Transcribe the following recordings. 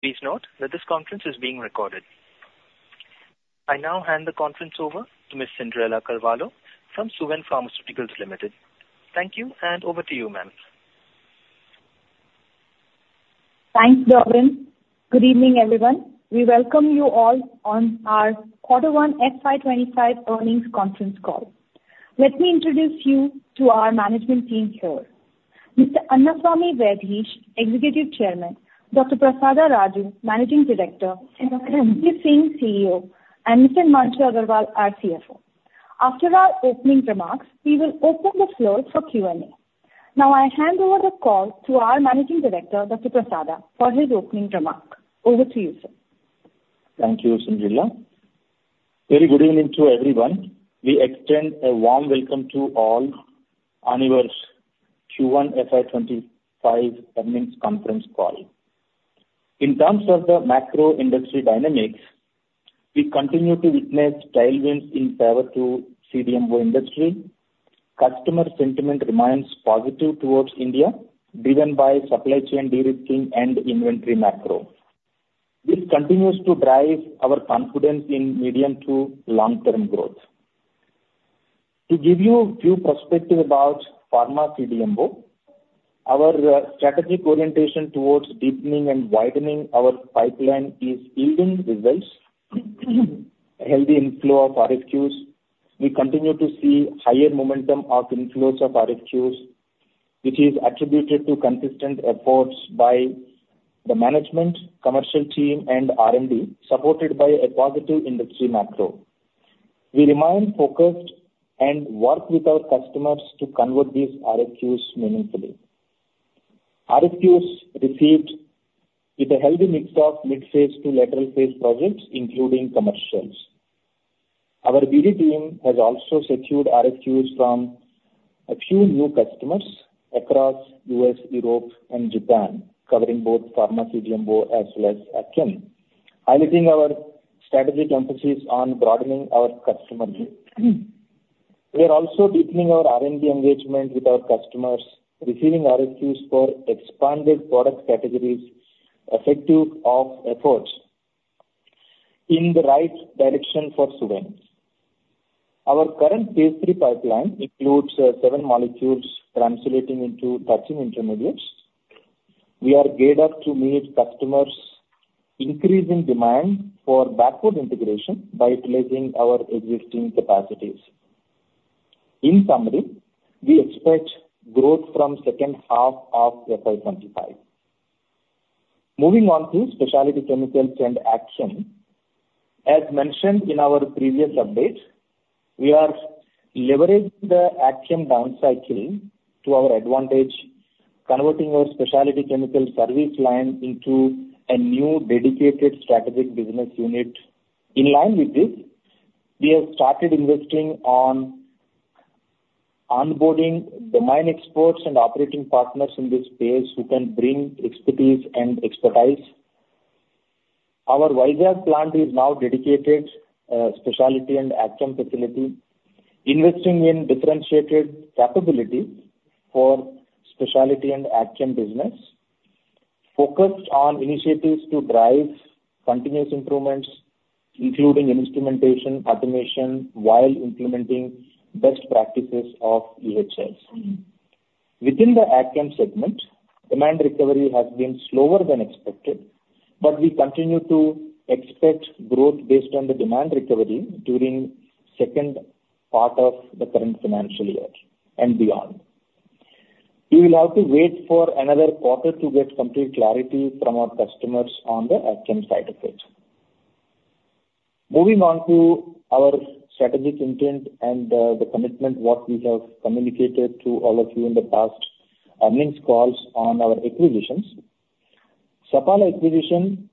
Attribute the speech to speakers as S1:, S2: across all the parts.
S1: Please note that this conference is being recorded. I now hand the conference over to Ms. Cyndrella Carvalho from Suven Pharmaceuticals Limited. Thank you, and over to you, ma'am.
S2: Thanks, Robin. Good evening, everyone. We welcome you all on our Quarter 1 FY 2025 Earnings Conference Call. Let me introduce you to our management team here: Mr. Annaswamy Vaidheesh, Executive Chairman, Dr. Prasada Raju, Managing Director, and Mr. Singh, CEO, and Mr. Himanshu Agarwal, our CFO. After our opening remarks, we will open the floor for Q&A. Now, I hand over the call to our Managing Director, Dr. Prasada, for his opening remark. Over to you, sir.
S3: Thank you, Cyndrella. Very good evening to everyone. We extend a warm welcome to all on your Q1 FY25 Earnings Conference Call. In terms of the macro industry dynamics, we continue to witness tailwinds in pivot to CDMO industry. Customer sentiment remains positive towards India, driven by supply chain de-risking and inventory macro. This continues to drive our confidence in medium- to long-term growth. To give you a few perspective about pharma CDMO, our strategic orientation towards deepening and widening our pipeline is yielding results. A healthy inflow of RFQs, we continue to see higher momentum of inflows of RFQs, which is attributed to consistent efforts by the management, commercial team, and R&D, supported by a positive industry macro. We remain focused and work with our customers to convert these RFQs meaningfully. RFQs received with a healthy mix of mid-phase to late-phase projects, including commercials. Our BD team has also secured RFQs from a few new customers across U.S., Europe, and Japan, covering both pharma CDMO as well as AgChem, highlighting our strategic emphasis on broadening our customer base. We are also deepening our R&D engagement with our customers, receiving RFQs for expanded product categories, effect of efforts in the right direction for Suven. Our current phase III pipeline includes seven molecules translating into 13 intermediates. We are geared up to meet customers' increasing demand for backward integration by utilizing our existing capacities. In summary, we expect growth from second half of FY 2025. Moving on to specialty chemicals and AgChem. As mentioned in our previous update, we are leveraging the AgChem downcycling to our advantage, converting our specialty chemical service line into a new dedicated strategic business unit. In line with this, we have started investing on onboarding domain experts and operating partners in this space who can bring expertise and expertise. Our Vizag plant is now dedicated, specialty and AgChem facility, investing in differentiated capability for specialty and AgChem business, focused on initiatives to drive continuous improvements, including instrumentation, automation, while implementing best practices of EHSI. Within the AgChem segment, demand recovery has been slower than expected, but we continue to expect growth based on the demand recovery during second part of the current financial year and beyond. We will have to wait for another quarter to get complete clarity from our customers on the AgChem side of it. Moving on to our strategic intent and, the commitment, what we have communicated to all of you in the past, means calls on our acquisitions. Sapala acquisition,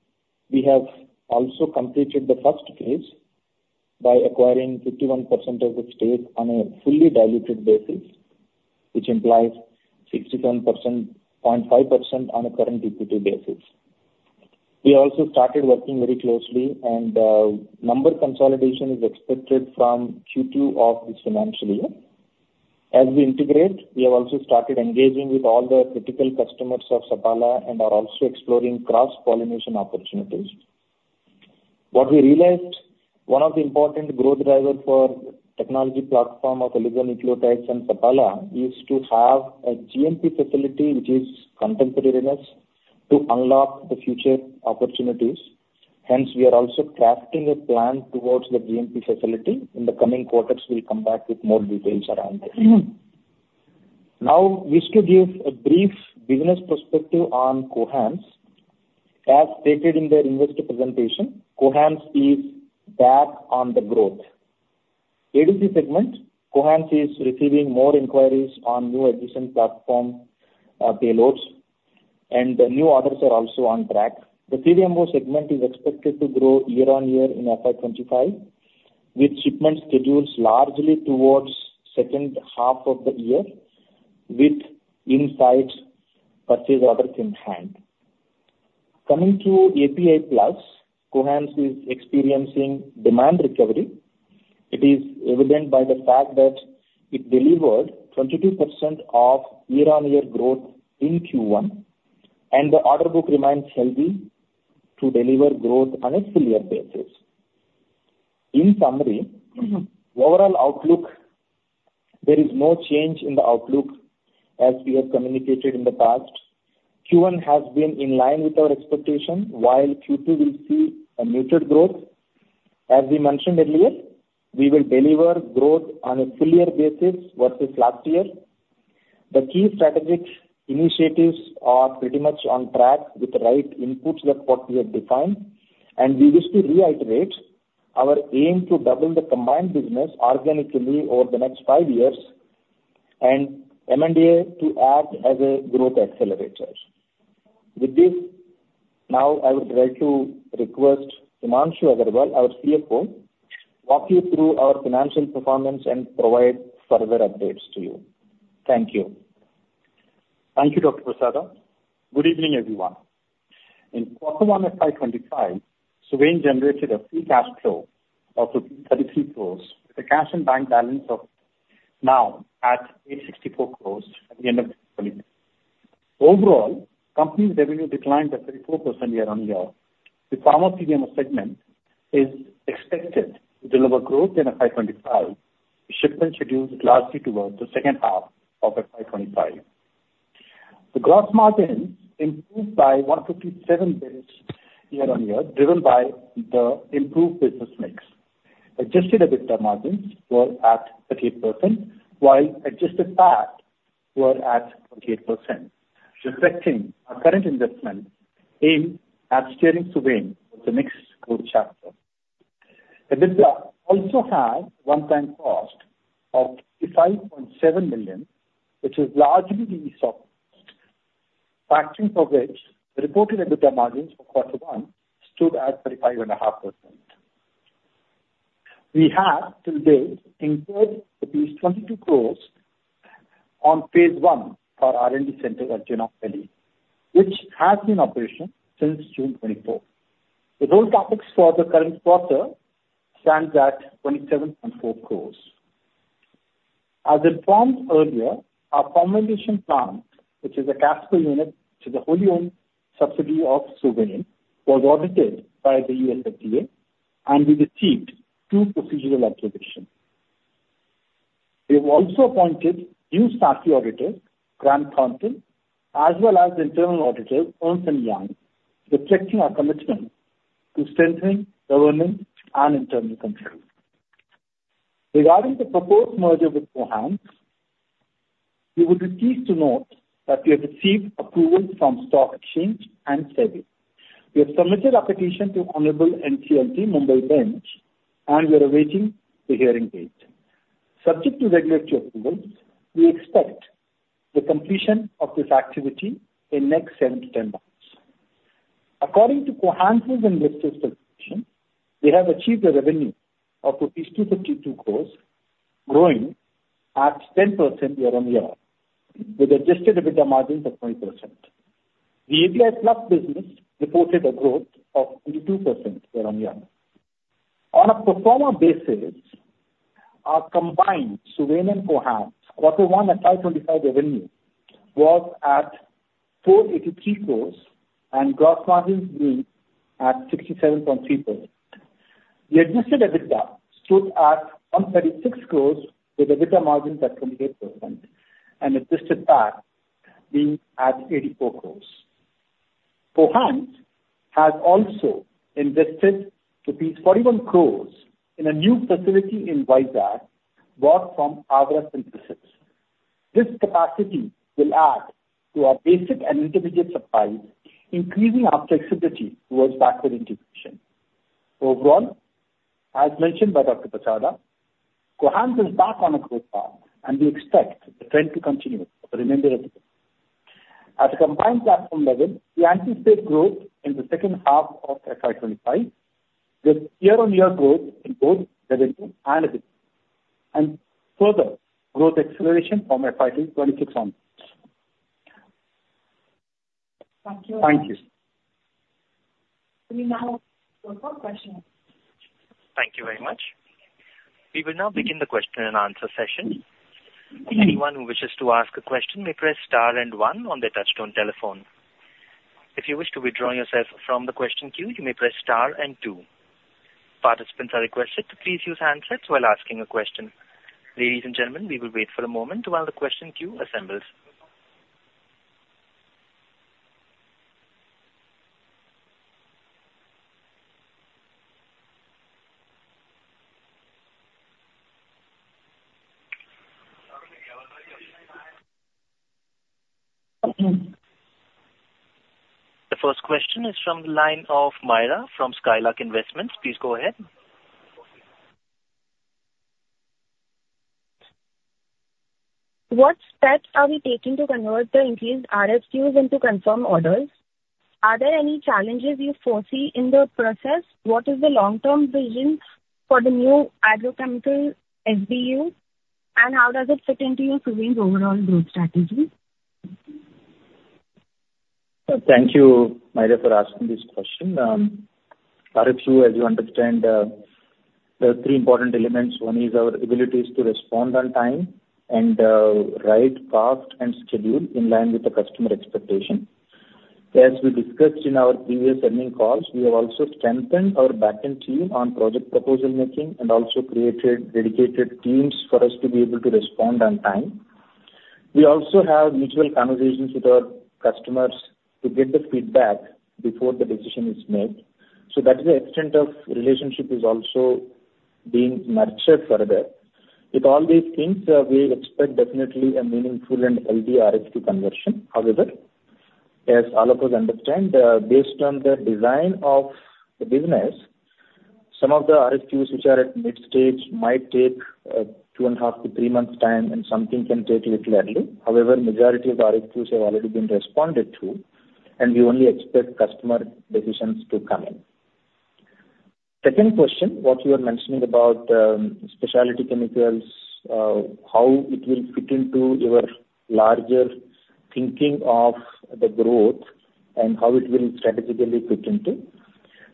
S3: we have also completed the first phase by acquiring 51% of the stake on a fully diluted basis, which implies 67.5% on a current DP2 basis. We also started working very closely, and, number consolidation is expected from Q2 of this financial year. As we integrate, we have also started engaging with all the critical customers of Sapala and are also exploring cross-pollination opportunities. What we realized, one of the important growth drivers for technology platform of oligonucleotides and Sapala, is to have a GMP facility which is contemporaneous to unlock the future opportunities. Hence, we are also crafting a plan towards the GMP facility. In the coming quarters, we'll come back with more details around it. Now, we wish to give a brief business perspective on Cohance. As stated in the investor presentation, Cohance is back on the growth. ADC segment, Cohance is receiving more inquiries on new adjacent platform, payloads, and the new orders are also on track. The CDMO segment is expected to grow year-on-year in FY 25, with shipment schedules largely towards second half of the year, with insight purchase orders in hand. Coming to API Plus, Cohance is experiencing demand recovery. It is evident by the fact that it delivered 22% of year-on-year growth in Q1, and the order book remains healthy to deliver growth on a full year basis. In summary, the overall outlook, there is no change in the outlook as we have communicated in the past. Q1 has been in line with our expectation, while Q2 will see a muted growth. As we mentioned earlier, we will deliver growth on a full year basis versus last year. The key strategic initiatives are pretty much on track with the right inputs that what we have defined, and we wish to reiterate our aim to double the combined business organically over the next five years and M&A to act as a growth accelerator. With this, now I would like to request Himanshu Agarwal, our CFO, walk you through our financial performance and provide further updates to you. Thank you.
S4: Thank you, Dr. Prasada. Good evening, everyone. In quarter 1 of FY 2025, Suven generated a free cash flow of 33 crores, with a cash and bank balance of now at 864 crores at the end of the quarter. Overall, company's revenue declined by 34% year-on-year. The pharma CDMO segment is expected to deliver growth in FY 2025, with shipments scheduled largely towards the second half of FY 2025. The gross margins improved by 157 basis points year-on-year, driven by the improved business mix. Adjusted EBITDA margins were at 38%, while adjusted PAT were at 28%, reflecting our current investment in upscaling Suven for the next growth chapter. EBITDA also had one-time cost of 55.7 million, which is largely due to stock factoring, for which the reported EBITDA margins for Q1 stood at 35.5%. We have today incurred 22 crores on phase I for our R&D center at Genome Valley, which has been in operation since June 24. The total CapEx for the current quarter stands at 27.4 crores. As informed earlier, our formulation plant, which is a Casper unit, which is a wholly owned subsidiary of Suven, was audited by the USFDA, and we received two procedural observations. We have also appointed new statutory auditor, Grant Thornton, as well as internal auditor, Ernst & Young, reflecting our commitment to strengthen governance and internal control. Regarding the proposed merger with Cohance, you would be pleased to note that we have received approval from stock exchange and SEBI. We have submitted application to honorable NCLT Mumbai bench, and we are awaiting the hearing date. Subject to regulatory approvals, we expect the completion of this activity in next seven to 10 months. According to Cohance's investor presentation, we have achieved a revenue of rupees 252 crores, growing at 10% year-over-year, with adjusted EBITDA margins of 20%. The API plus business reported a growth of 22% year-over-year. On a pro forma basis, our combined Suven and Cohance quarter 1 and FY 25 revenue was at 483 crore and gross margins being at 67.3%. The adjusted EBITDA stood at 136 crore, with EBITDA margins at 28% and adjusted PAT being at 84 crore. Cohance has also invested rupees 41 crore in a new facility in Vizag, bought from Avra Synthesis. This capacity will add to our basic and intermediate supplies, increasing our flexibility towards backward integration. Overall, as mentioned by Dr. Prasada, Cohance is back on a growth path, and we expect the trend to continue for the remainder of the year. At a combined platform level, we anticipate growth in the second half of FY 25, with year-on-year growth in both revenue and EBITDA, and further growth acceleration from FY 26 onwards. Thank you. Thank you. We now go for questions.
S1: Thank you very much. We will now begin the question and answer session. Anyone who wishes to ask a question may press star and one on their touchtone telephone. If you wish to withdraw yourself from the question queue, you may press star and two. Participants are requested to please use handsets while asking a question. Ladies and gentlemen, we will wait for a moment while the question queue assembles. The first question is from the line of Myra from Skylark Investments. Please go ahead.
S5: What steps are we taking to convert the increased RFQs into confirmed orders? Are there any challenges you foresee in the process? What is the long-term vision for the new agrochemical SBU, and how does it fit into your Suven's overall growth strategy?...
S3: Thank you, Myra, for asking this question. RFQ, as you understand, there are three important elements. One is our abilities to respond on time and right path and schedule in line with the customer expectation. As we discussed in our previous earnings calls, we have also strengthened our back-end team on project proposal making, and also created dedicated teams for us to be able to respond on time. We also have mutual conversations with our customers to get the feedback before the decision is made. So that is the extent of relationship is also being nurtured further. With all these things, we expect definitely a meaningful and healthy RFQ conversion. However, as all of us understand, based on the design of the business, some of the RFQs which are at mid stage might take, 2.5-3 months time, and something can take little early. However, majority of RFQs have already been responded to, and we only expect customer decisions to come in. Second question, what you are mentioning about, specialty chemicals, how it will fit into your larger thinking of the growth and how it will strategically fit into?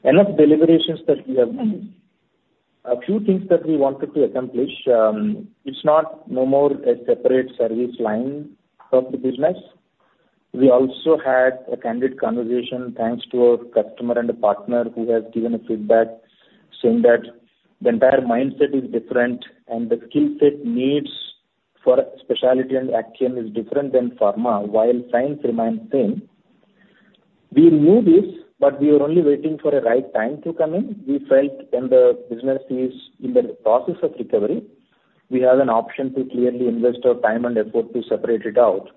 S3: Enough deliberations that we have made, a few things that we wanted to accomplish, it's not no more a separate service line from the business. We also had a candid conversation, thanks to our customer and a partner who has given a feedback, saying that the entire mindset is different and the skill set needs for specialty and AgChem is different than pharma, while science remains same. We knew this, but we were only waiting for a right time to come in. We felt when the business is in the process of recovery, we have an option to clearly invest our time and effort to separate it out.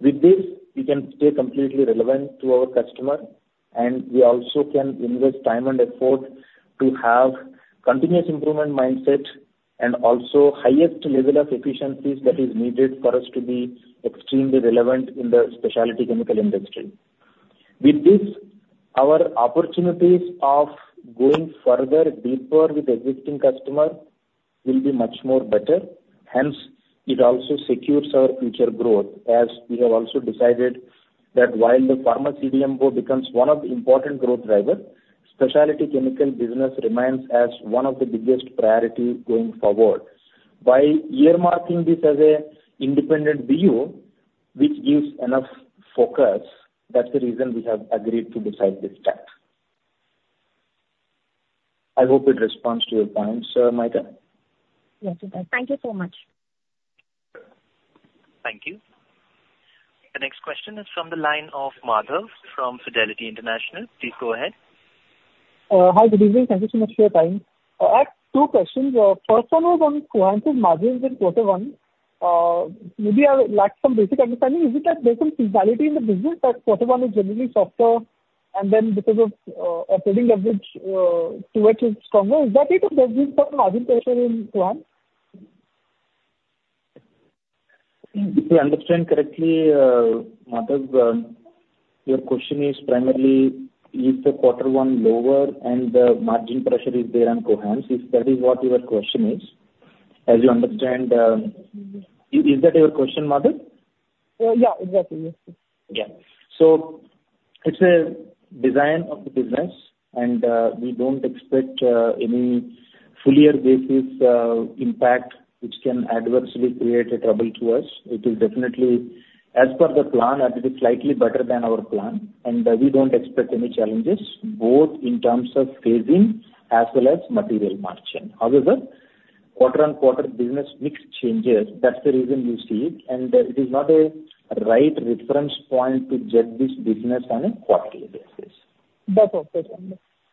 S3: With this, we can stay completely relevant to our customer, and we also can invest time and effort to have continuous improvement mindset, and also highest level of efficiencies that is needed for us to be extremely relevant in the specialty chemical industry. With this, our opportunities of going further, deeper with existing customer will be much more better. Hence, it also secures our future growth, as we have also decided that while the pharma CDMO becomes one of the important growth driver, specialty chemical business remains as one of the biggest priority going forward. By earmarking this as an independent BU, which gives enough focus, that's the reason we have agreed to decide this step. I hope it responds to your points, Myra.
S5: Yes, it does. Thank you so much.
S1: Thank you. The next question is from the line of Madhav from Fidelity International. Please go ahead.
S5: Hi, good evening. Thank you so much for your time. I have two questions. First one was on margins in quarter one. Maybe I lack some basic understanding. Is it that there's some seasonality in the business, that quarter one is generally softer, and then because of operating leverage, Q2 is stronger? Is that it, or there's been some margin pressure in Q1?
S3: If I understand correctly, Madhav, your question is primarily is the quarter one lower and the margin pressure is there on Cohance, if that is what your question is. As you understand, is, is that your question, Madhav?
S5: Yeah, exactly. Yes.
S3: Yeah. So it's a design of the business, and we don't expect any fuller basis impact which can adversely create a trouble to us. It is definitely as per the plan. It is slightly better than our plan, and we don't expect any challenges, both in terms of phasing as well as material margin. However, quarter-on-quarter business mix changes, that's the reason you see it, and it is not a right reference point to judge this business on a quarterly basis.
S5: That's okay.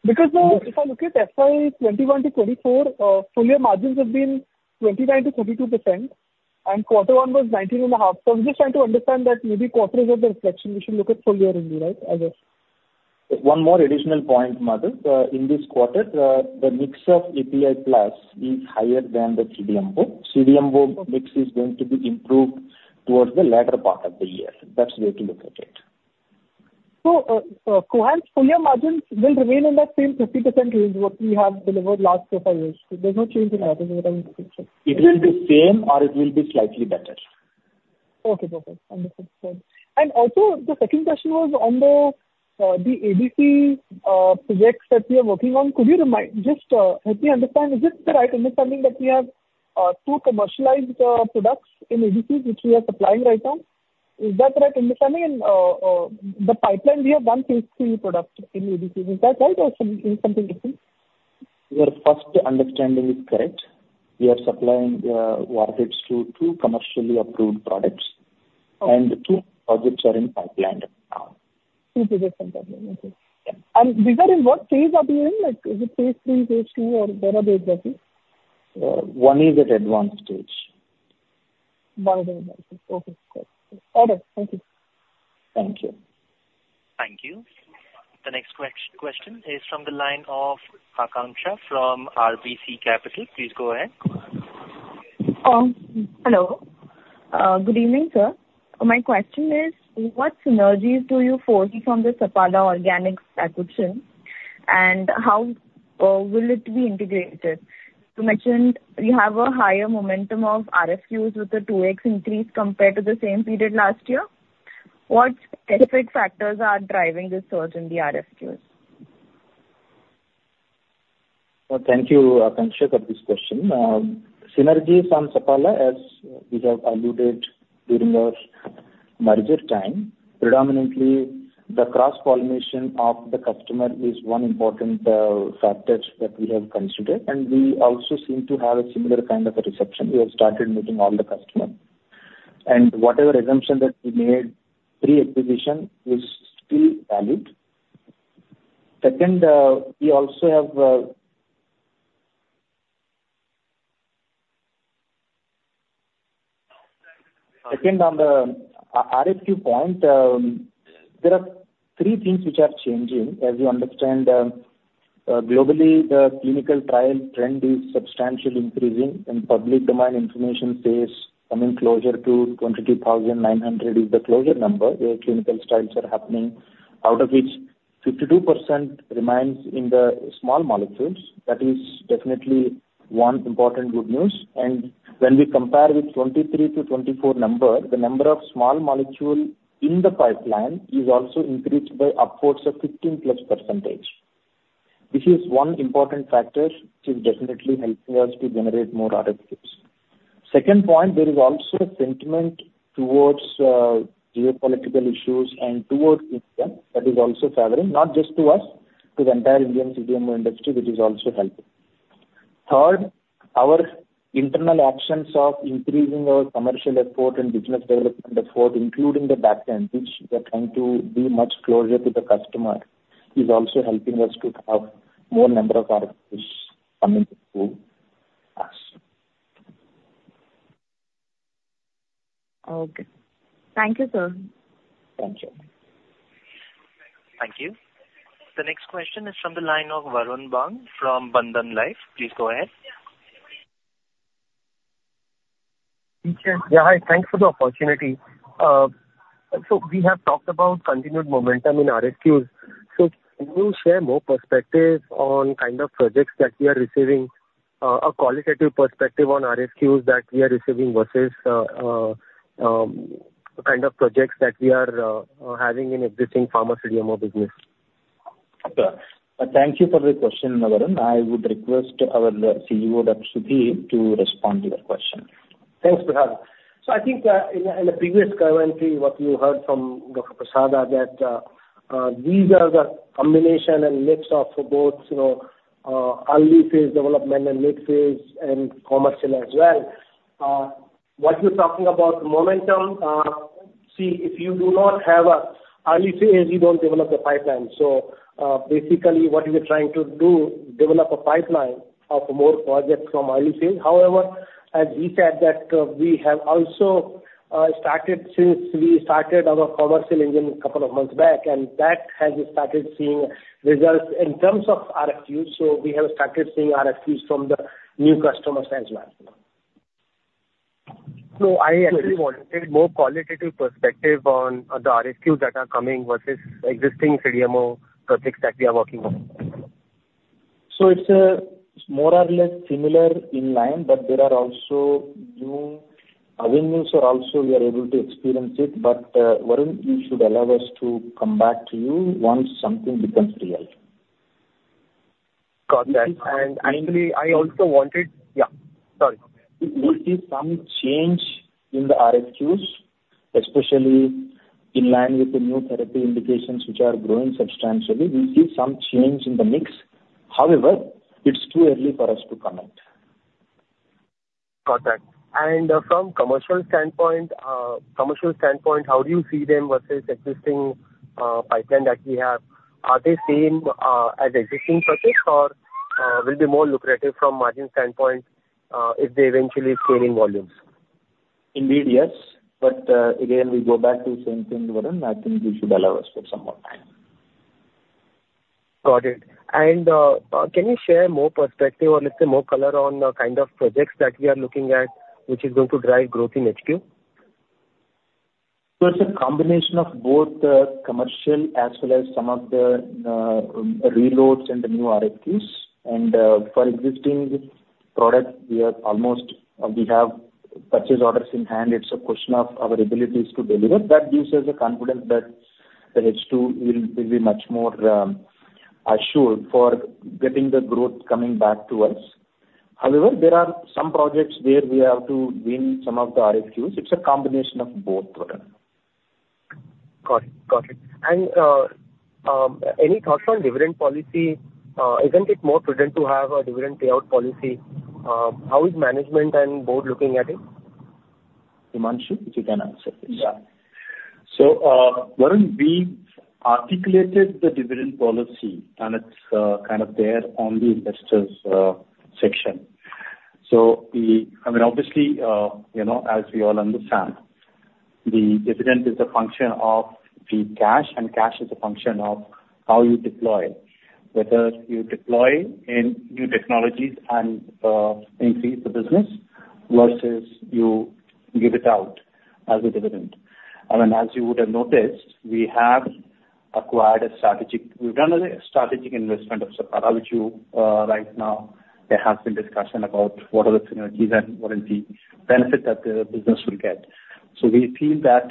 S5: Because, if I look at FY 2021-2024, full year margins have been 29%-32%, and Q1 was 19.5%. So I'm just trying to understand that maybe quarters are the reflection, we should look at full year only, right? I guess.
S3: One more additional point, Madhav. In this quarter, the mix of API plus is higher than the CDMO. CDMO mix is going to be improved towards the latter part of the year. That's the way to look at it.
S5: Cohance's full-year margins will remain in that same 50% range what we have delivered last four to five years. There's no change in that, is what I'm thinking?
S3: It will be same or it will be slightly better.
S5: Okay, perfect. Understood. And also, the second question was on the, the ADC, projects that we are working on. Could you remind, just, help me understand, is this the right understanding, that we have, two commercialized, products in ADCs which we are supplying right now? Is that the right understanding? And, the pipeline, we have one phase three product in ADCs. Is that right, or something, something different?
S3: Your first understanding is correct. We are supplying markets to two commercially approved products, and two projects are in pipeline now.
S5: Two projects in pipeline, okay. And these are in what phase are we in? Like, is it phase III, phase II, or where are they exactly?
S3: One is at advanced stage.
S5: Okay, got it. Thank you.
S3: Thank you.
S1: Thank you. The next question is from the line of Akansha from RBC Capital. Please go ahead.
S6: Hello. Good evening, sir. My question is: What synergies do you foresee from the Sapala Organics acquisition?... and how will it be integrated? You mentioned you have a higher momentum of RFQs with a 2x increase compared to the same period last year. What specific factors are driving this surge in the RFQs?
S3: Well, thank you, Akansha, for this question. Synergies from Sapala, as we have alluded during our merger time, predominantly, the cross-pollination of the customer is one important factor that we have considered, and we also seem to have a similar kind of a reception. We have started meeting all the customer. Whatever assumption that we made pre-acquisition is still valid. Second, on the RFQ point, there are three things which are changing. As you understand, globally, the clinical trial trend is substantially increasing, and public domain information says coming closer to 22,900 is the closer number, where clinical trials are happening, out of which 52% remains in the small molecules. That is definitely one important good news. And when we compare with 2023 to 2024 number, the number of small molecule in the pipeline is also increased by upwards of +15%. This is one important factor, which is definitely helping us to generate more RFQs. Second point, there is also a sentiment towards geopolitical issues and towards India that is also favoring, not just to us, to the entire Indian CDMO industry, which is also helping. Third, our internal actions of increasing our commercial effort and business development effort, including the back end, which we are trying to be much closer to the customer, is also helping us to have more number of RFQs coming to us.
S6: Okay. Thank you, sir.
S3: Thank you.
S1: Thank you. The next question is from the line of Varun Bang from Bandhan Life. Please go ahead.
S7: Yeah, hi. Thanks for the opportunity. So we have talked about continued momentum in RFQs. So can you share more perspective on kind of projects that we are receiving, a qualitative perspective on RFQs that we are receiving versus, the kind of projects that we are having in existing pharma CDMO business?
S3: Okay, thank you for the question, Varun. I would request our CEO, Dr. Sudhir, to respond to your question.
S8: Thanks, Prihank. So I think, in the previous commentary, what you heard from Dr. Prasada, that these are the combination and mix of both, you know, early phase development and late phase and commercial as well. What you're talking about, the momentum, see, if you do not have an early phase, you don't develop a pipeline. So, basically, what we are trying to do, develop a pipeline of more projects from early phase. However, as we said that, we have also started since we started our commercial engine a couple of months back, and that has started seeing results in terms of RFQs. So we have started seeing RFQs from the new customers as well.
S7: No, I actually wanted more qualitative perspective on the RFQs that are coming versus existing CDMO projects that we are working on.
S3: So it's more or less similar in line, but there are also new avenues, so also we are able to experience it. But, Varun, you should allow us to come back to you once something becomes real.
S7: Got that. And actually, I also wanted... Yeah, sorry.
S3: We see some change in the RFQs, especially in line with the new therapy indications, which are growing substantially. We see some change in the mix. However, it's too early for us to comment.
S7: Got that. From commercial standpoint, how do you see them versus existing pipeline that we have? Are they same as existing purchase, or will be more lucrative from margin standpoint if they eventually grow in volumes?
S3: Indeed, yes. But, again, we go back to the same thing, Varun, I think you should allow us for some more time.
S7: Got it. Can you share more perspective or, let's say, more color on the kind of projects that we are looking at, which is going to drive growth in HQ?
S3: So it's a combination of both, commercial as well as some of the, reloads and the new RFQs. And, for existing products, we are almost, we have purchase orders in hand. It's a question of our abilities to deliver. That gives us the confidence that the H2 will be much more assured for getting the growth coming back to us. However, there are some projects where we have to win some of the RFQs. It's a combination of both, Varun.
S7: Got it. Got it. And, any thoughts on dividend policy? Isn't it more prudent to have a dividend payout policy? How is management and board looking at it?
S3: Himanshu, if you can answer this. Yeah. So, Varun, we've articulated the dividend policy, and it's kind of there on the investors section. So we... I mean, obviously, you know, as we all understand, the dividend is a function of the cash, and cash is a function of how you deploy. Whether you deploy in new technologies and increase the business, versus you give it out as a dividend... And then as you would have noticed, we have acquired a strategic, we've done a strategic investment of Sapala, which you right now, there has been discussion about what are the synergies and what is the benefit that the business will get. So we feel that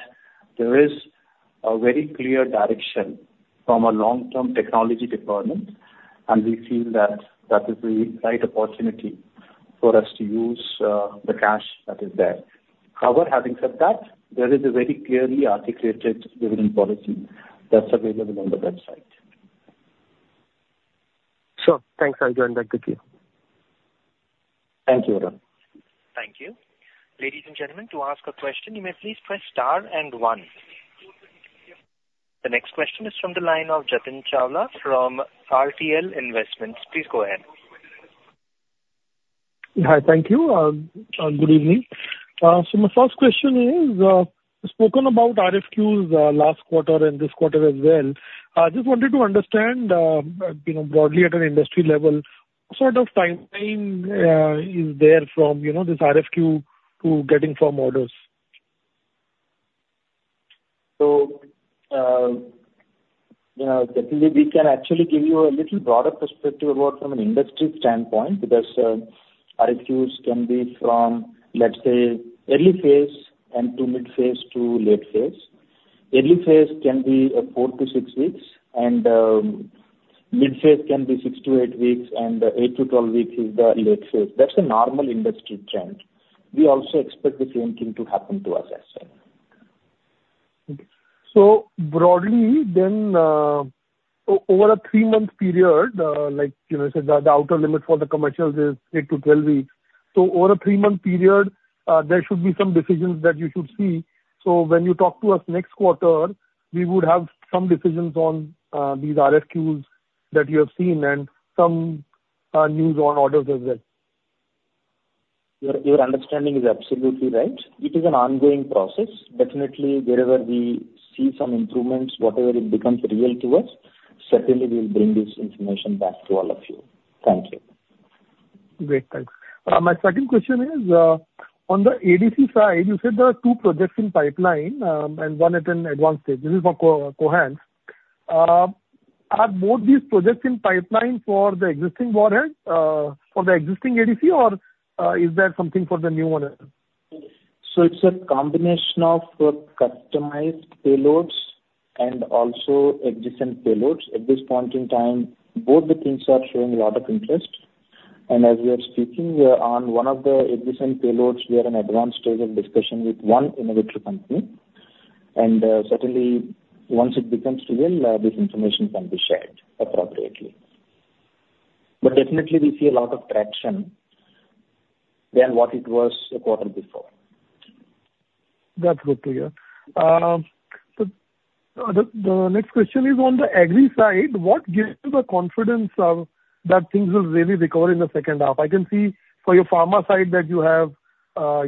S3: there is a very clear direction from a long-term technology deployment, and we feel that that is the right opportunity for us to use the cash that is there. However, having said that, there is a very clearly articulated dividend policy that's available on the website.
S7: Sure. Thanks, I'll join back with you.
S3: Thank you, Varun.
S1: Thank you. Ladies and gentlemen, to ask a question, you may please press star and one. The next question is from the line of Jatin Chawla from RTL Investments. Please go ahead.
S9: Hi. Thank you, good evening. So my first question is, you've spoken about RFQs, last quarter and this quarter as well. I just wanted to understand, you know, broadly at an industry level, what sort of timeline is there from, you know, this RFQ to getting some orders?
S3: So, you know, definitely we can actually give you a little broader perspective about, from an industry standpoint, because RFQs can be from, let's say, early phase and to mid-phase to late phase. Early phase can be 4-6 weeks, and mid-phase can be 6-8 weeks, and 8-12 weeks is the late phase. That's a normal industry trend. We also expect the same thing to happen to us as well.
S9: So broadly then, over a three-month period, like, you know, say the, the outer limit for the commercials is 8-12 weeks. So over a three-month period, there should be some decisions that you should see. So when you talk to us next quarter, we would have some decisions on, these RFQs that you have seen and some, news on orders as well.
S3: Your understanding is absolutely right. It is an ongoing process. Definitely, wherever we see some improvements, whatever it becomes real to us, certainly we'll bring this information back to all of you. Thank you.
S9: Great, thanks. My second question is, on the ADC side, you said there are two projects in pipeline, and one at an advanced stage. This is for Cohance. Are both these projects in pipeline for the existing warhead, for the existing ADC or, is there something for the new one?
S3: So it's a combination of customized payloads and also adjacent payloads. At this point in time, both the teams are showing a lot of interest, and as we are speaking, we are on one of the adjacent payloads. We are in advanced stage of discussion with one innovative company, and certainly once it becomes real, this information can be shared appropriately. But definitely we see a lot of traction than what it was a quarter before.
S9: That's good to hear. The next question is on the agri side, what gives you the confidence that things will really recover in the second half? I can see for your pharma side that you have,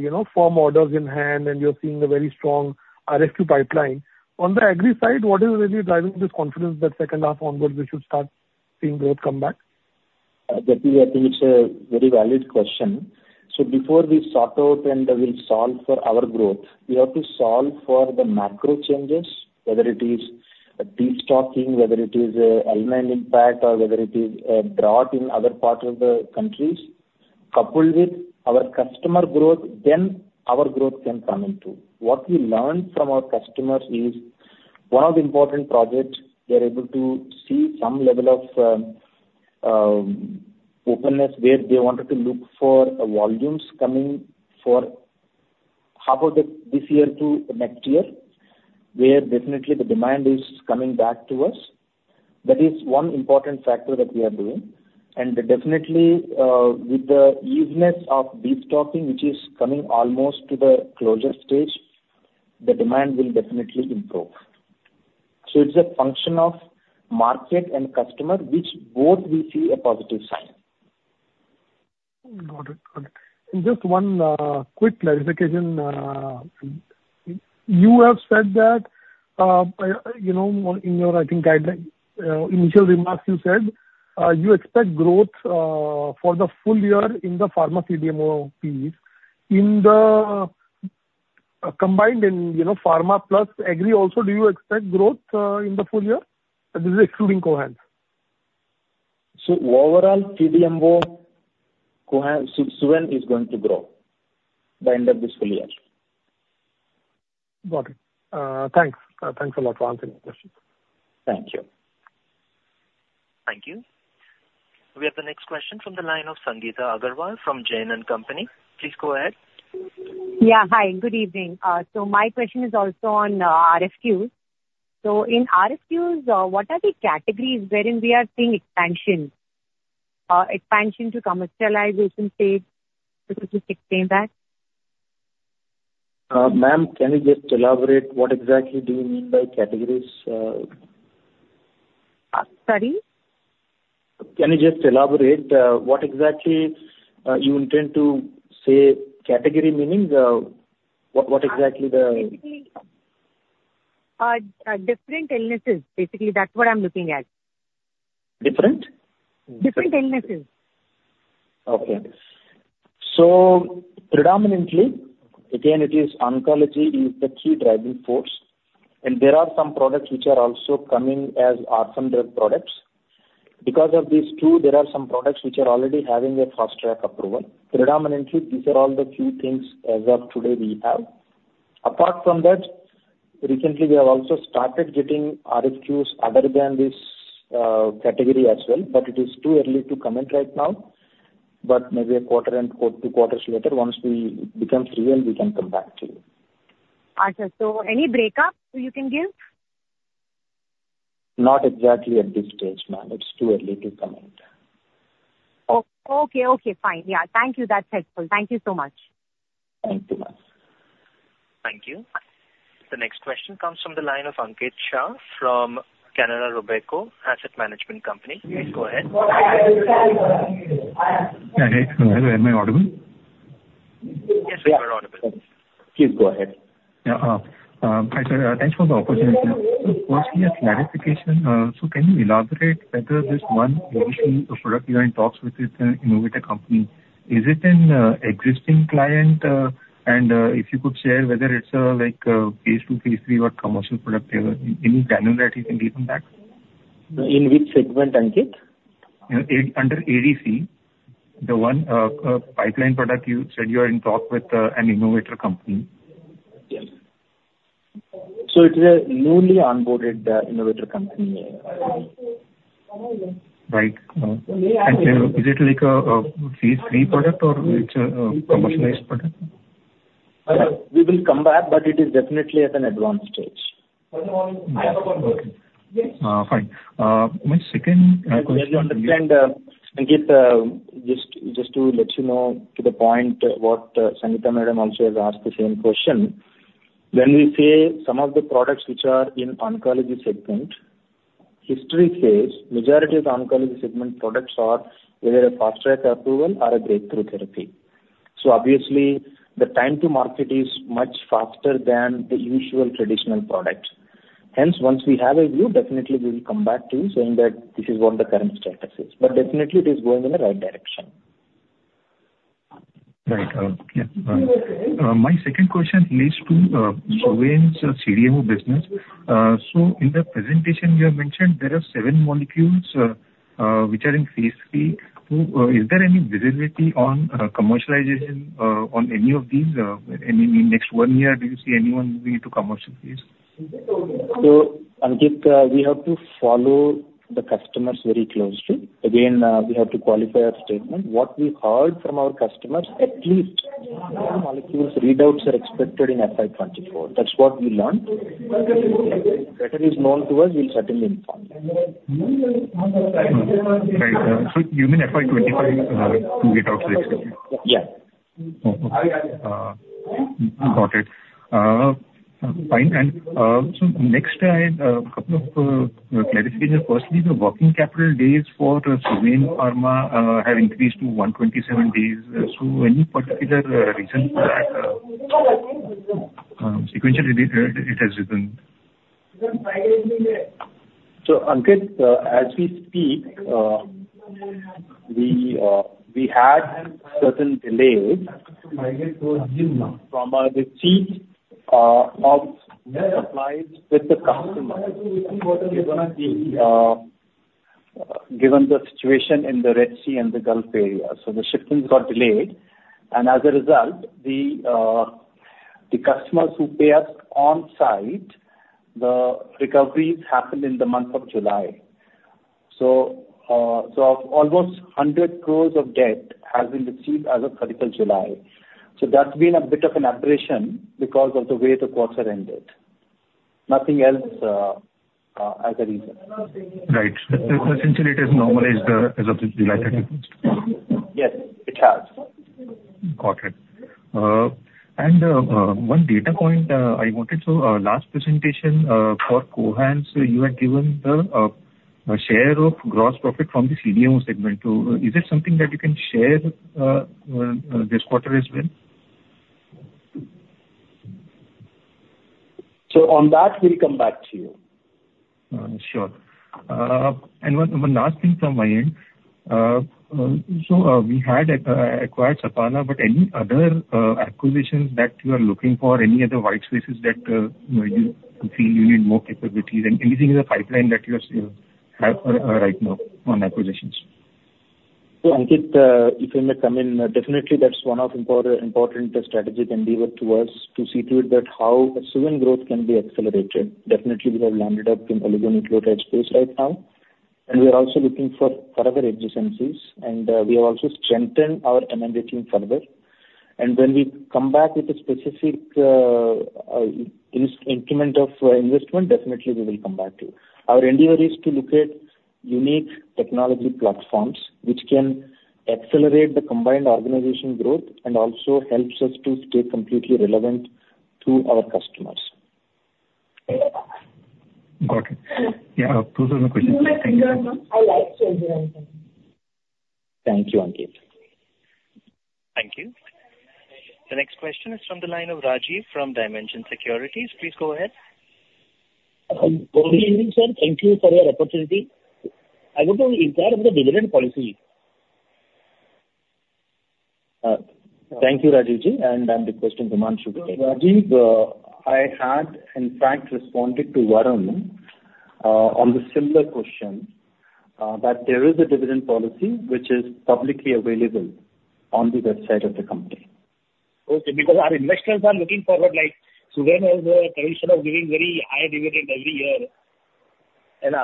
S9: you know, firm orders in hand, and you're seeing a very strong RFQ pipeline. On the agri side, what is really driving this confidence that second half onwards, we should start seeing growth come back?
S3: Jatin, I think it's a very valid question. So before we sort out and we solve for our growth, we have to solve for the macro changes, whether it is destocking, whether it is, El Niño impact, or whether it is a drought in other parts of the countries. Coupled with our customer growth, then our growth can come in, too. What we learned from our customers is, one of the important projects, we are able to see some level of, openness, where they wanted to look for, volumes coming for half of the this year to next year, where definitely the demand is coming back to us. That is one important factor that we are doing. And definitely, with the easiness of destocking, which is coming almost to the closure stage, the demand will definitely improve. It's a function of market and customer, which both we see a positive sign.
S9: Got it. Got it. And just one quick clarification. You have said that, you know, in your, I think, guideline initial remarks, you said you expect growth for the full year in the pharma CDMO piece. In the combined in, you know, pharma plus agri also, do you expect growth in the full year? This is excluding Cohance.
S3: Overall, CDMO Cohance, Suven is going to grow by end of this full year.
S9: Got it. Thanks. Thanks a lot for answering the questions.
S3: Thank you.
S1: Thank you. We have the next question from the line of Sangeeta Agarwal from Jain and Company. Please go ahead.
S10: Yeah. Hi, good evening. So my question is also on, RFQs. So in RFQs, what are the categories wherein we are seeing expansion, expansion to commercialization stage, so to speak, saying that?
S3: Ma'am, can you just elaborate what exactly do you mean by categories?
S10: Uh, sorry?
S3: Can you just elaborate, what exactly you intend to say category meaning, what exactly the-
S10: Different illnesses, basically, that's what I'm looking at.
S3: Different?
S10: Different illnesses.
S3: Okay. So predominantly, again, it is oncology is the key driving force, and there are some products which are also coming as orphan drug products. Because of these two, there are some products which are already having a fast-track approval. Predominantly, these are all the few things as of today we have. Apart from that, recently we have also started getting RFQs other than this category as well, but it is too early to comment right now, but maybe a quarter and two quarters later, once we become real, we can come back to you.
S5: Okay. So any breakup you can give?
S3: Not exactly at this stage, ma'am. It's too early to comment.
S10: Okay, okay, fine. Yeah. Thank you. That's helpful. Thank you so much.
S3: Thank you, ma'am.
S1: Thank you. The next question comes from the line of Ankit Shah from Canara Robeco Asset Management Company. Please go ahead.
S11: Hi. Hello, am I audible?
S1: Yes, we are audible.
S3: Please go ahead.
S11: Yeah. Hi, sir. Thanks for the opportunity. Firstly, a clarification, so can you elaborate whether this one additional product you are in talks with this innovator company, is it an existing client? And, if you could share whether it's a like, phase two, phase three, or commercial product, any guidance that you can give on that?
S3: In which segment, Ankit?
S11: Under ADC, the one pipeline product you said you are in talk with an innovator company?
S3: Yes. So it's a newly onboarded innovator company.
S11: Right. And is it like a phase three product or it's a commercialized product?
S3: We will come back, but it is definitely at an advanced stage.
S11: Fine. My second question-
S3: And when you understand, Ankit, just to let you know, to the point what Sangeeta madam also has asked the same question. When we say some of the products which are in oncology segment, history says majority of oncology segment products are either a fast-track approval or a breakthrough therapy. So obviously, the time to market is much faster than the usual traditional product. Hence, once we have a view, definitely we will come back to you saying that this is what the current status is. But definitely it is going in the right direction.
S11: Right. Yeah. My second question leads to Suven's CDMO business. So in the presentation you have mentioned there are seven molecules, which are in phase three. So, is there any visibility on commercialization, on any of these, in the next one year? Do you see anyone moving to commercial phase?
S3: So, Ankit, we have to follow the customers very closely. Again, we have to qualify our statement. What we heard from our customers, at least molecules readouts are expected in FY 2024. That's what we learned. Better is known to us, we'll certainly inform you.
S11: Right. So you mean FY 25, to get out to the expected?
S3: Yeah.
S11: Okay. Got it. Fine. So next I couple of clarification. Firstly, the working capital days for Suven Pharma have increased to 127 days. So any particular reason for that? Sequentially, it has risen.
S3: So, Ankit, as we speak, we had certain delays from the chief of supplies with the customer, given the situation in the Red Sea and the Gulf area. So the shipments got delayed, and as a result, the customers who pay us on site, the recoveries happened in the month of July. So, so almost 100 crore of debt has been received as of thirty-first July. So that's been a bit of an aberration because of the way the quarter ended. Nothing else, as a reason.
S11: Right. Essentially, it has normalized, as of 31st July.
S3: Yes, it has.
S11: Got it. And, one data point, I wanted to, last presentation, for Cohance, you had given the share of gross profit from the CDMO segment. So is there something that you can share, this quarter as well?
S3: So on that, we'll come back to you.
S11: Sure. And one last thing from my end. So, we had acquired Sapala, but any other acquisitions that you are looking for, any other white spaces that you feel you need more capabilities and anything in the pipeline that you have right now on acquisitions?
S3: So, Ankit, if I may come in, definitely that's one of important, important strategy endeavor to us to see to it that how Suven growth can be accelerated. Definitely, we have landed up in oligonucleotide space right now, and we are also looking for further adjacencies, and, we have also strengthened our M&A team further. And when we come back with a specific, increment of investment, definitely we will come back to you. Our endeavor is to look at unique technology platforms, which can accelerate the combined organization growth and also helps us to stay completely relevant to our customers.
S11: Got it. Yeah, those are my questions. Thank you.
S3: Thank you, Ankit.
S1: Thank you. The next question is from the line of Rajiv from Dimension Securities. Please go ahead.
S12: Good evening, sir. Thank you for your opportunity. I want to inquire about the dividend policy.
S3: Thank you, Rajiv, and then the question to Himanshu. Rajiv, I had in fact responded to Varun on the similar question that there is a dividend policy which is publicly available on the website of the company.
S12: Okay, because our investors are looking forward, like, Suven has a tradition of giving very high dividend every year, and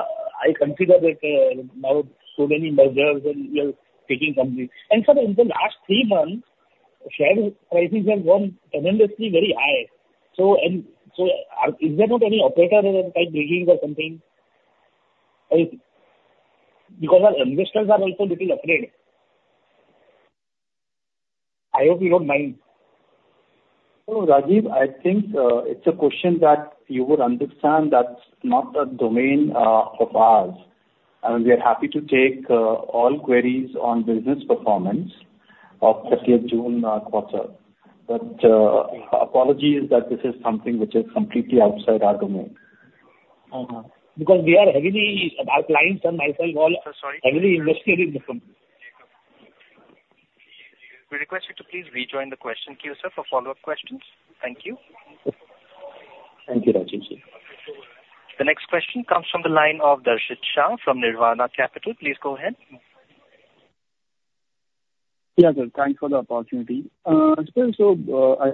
S12: I consider that now so many mergers and we are taking company. And sir, in the last three months, share prices have gone tremendously very high. So, is there not any operator type dealings or something? Because our investors are also little afraid. I hope you don't mind.
S3: No, Rajiv, I think it's a question that you would understand that's not the domain of ours, and we are happy to take all queries on business performance of 30 of June quarter. But, apologies that this is something which is completely outside our domain.
S5: Uh-huh. Because we are heavily, our clients and myself all-
S1: Sir, sorry.
S12: Heavily invested in the company.
S1: We request you to please rejoin the question queue, sir, for follow-up questions. Thank you.
S3: Thank you, Rajiv.
S1: The next question comes from the line of Darshit Shah from Nirvana Capital. Please go ahead.
S13: Yeah, sir. Thanks for the opportunity. So, I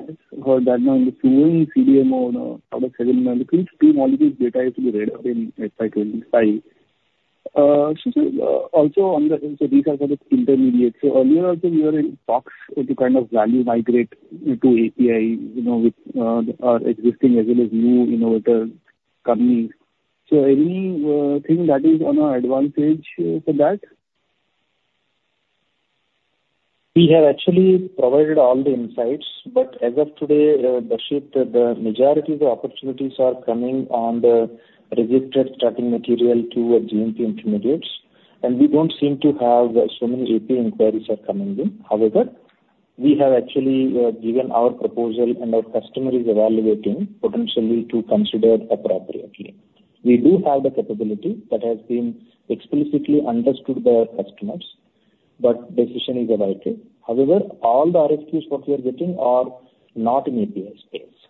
S13: just heard that now in the CDMO, out of India data is to be read out in FY 25. So, also on the, so these are for the intermediate. So earlier also, you were in talks to kind of value migrate to API, you know, with, our existing as well as new innovator companies. So any, thing that is on our advantage for that?
S3: We have actually provided all the insights, but as of today, Darshit, the majority of the opportunities are coming on the registered starting material to our GMP intermediates, and we don't seem to have so many RP inquiries are coming in. However, we have actually given our proposal, and our customer is evaluating potentially to consider appropriately. We do have the capability that has been explicitly understood by our customers, but decision is awaited. However, all the RFQs what we are getting are not in API space.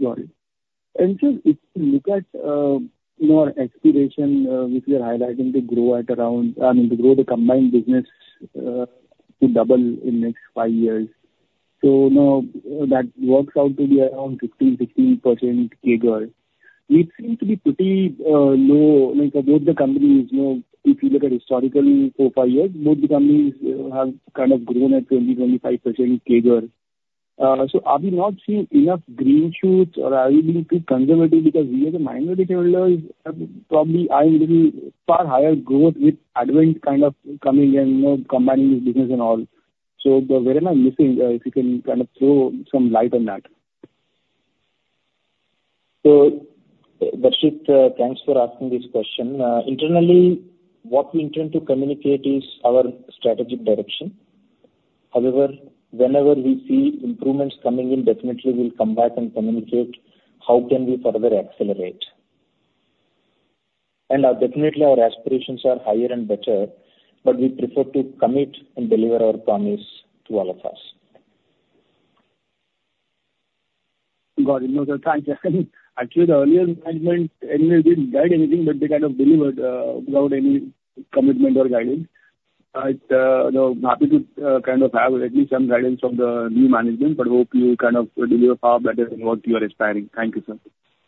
S13: Got it. And so if you look at your aspiration, which we are highlighting to grow at around, I mean, to grow the combined business to double in next 5 years. So now that works out to be around 15%-16% CAGR. It seems to be pretty low, like both the companies, you know, if you look at historically, 4-5 years, both the companies have kind of grown at 20%-25% CAGR. So are we not seeing enough green shoots, or are we being too conservative? Because we as a minority shareholder is probably eye a little far higher growth with Advent kind of coming in, you know, combining this business and all. So where am I missing, if you can kind of throw some light on that?
S3: So Darshit, thanks for asking this question. Internally, what we intend to communicate is our strategic direction. However, whenever we see improvements coming in, definitely we'll come back and communicate how can we further accelerate. And, definitely our aspirations are higher and better, but we prefer to commit and deliver our promise to all of us.
S13: Got it. No, sir, thank you. Actually, the earlier management, anyone didn't guide anything, but they kind of delivered without any commitment or guidance. But, you know, happy to kind of have at least some guidance from the new management, but hope you kind of deliver far better than what you are expecting. Thank you, sir.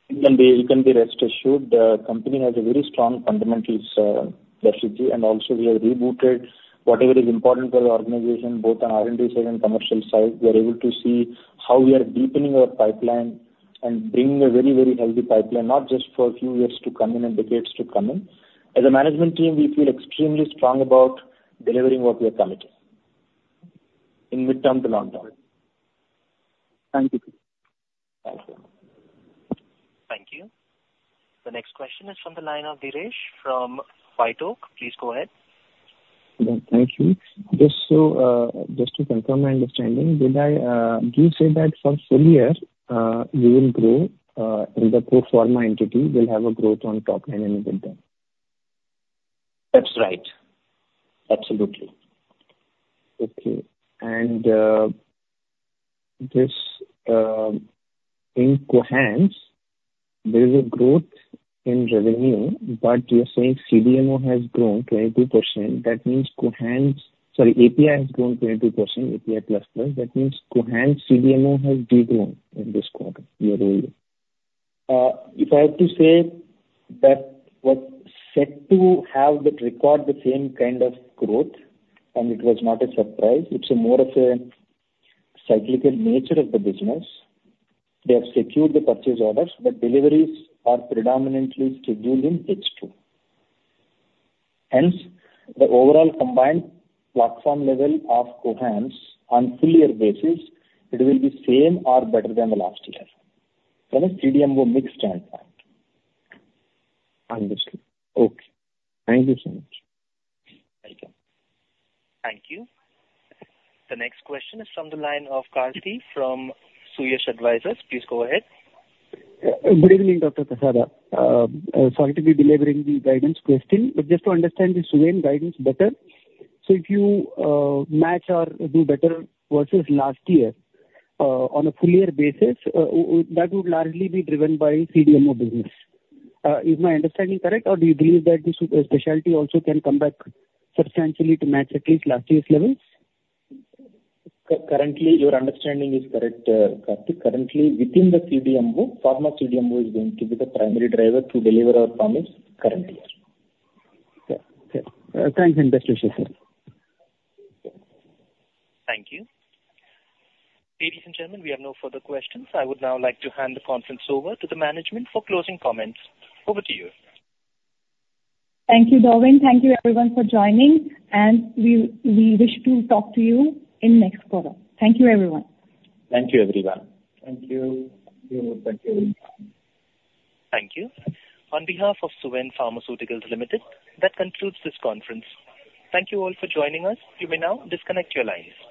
S3: You can be, you can be rest assured, the company has a very strong fundamentals, Darshit, and also we have rebooted whatever is important for the organization, both on R&D side and commercial side. We are able to see how we are deepening our pipeline and bringing a very, very healthy pipeline, not just for a few years to come in and decades to come in. As a management team, we feel extremely strong about delivering what we are committing in mid-term to long term.
S13: Thank you.
S3: Thank you.
S1: Thank you. The next question is from the line of Dheeresh from WhiteOak. Please go ahead.
S14: Thank you. Just so, just to confirm my understanding, did I, do you say that for full year, you will grow, in the pro forma entity will have a growth on top end in the mid-term?
S3: That's right. Absolutely.
S14: Okay. And, just, in Cohance, there is a growth in revenue, but you're saying CDMO has grown 22%. That means Cohance... Sorry, API has grown 22%, API plus, plus. That means Cohance CDMO has de-grown in this quarter year-over-year.
S3: If I have to say that was set to have that record the same kind of growth, and it was not a surprise, it's more of a cyclical nature of the business. They have secured the purchase orders, but deliveries are predominantly scheduled in H2. Hence, the overall combined platform level of Cohance on full year basis, it will be same or better than the last year. So that's CDMO mix standpoint.
S14: Understood. Okay. Thank you so much.
S3: Welcome.
S1: Thank you. The next question is from the line of Karthik from Suyash Advisors. Please go ahead.
S5: Good evening, Dr. Prasada. Sorry to be delivering the guidance question, but just to understand the Suven guidance better, so if you match or do better versus last year on a full year basis, that would largely be driven by CDMO business. Is my understanding correct, or do you believe that the specialty also can come back substantially to match at least last year's levels?
S3: Currently, your understanding is correct, Karthik. Currently, within the CDMO, pharma CDMO is going to be the primary driver to deliver our promise currently, yes.
S5: Okay. Okay. Thank you and best wishes, sir.
S1: Thank you. Ladies and gentlemen, we have no further questions. I would now like to hand the conference over to the management for closing comments. Over to you.
S2: Thank you, Robin. Thank you everyone for joining, and we wish to talk to you in next quarter. Thank you, everyone.
S3: Thank you, everyone.
S5: Thank you. Thank you.
S1: Thank you. On behalf of Suven Pharmaceuticals Limited, that concludes this conference. Thank you all for joining us. You may now disconnect your lines.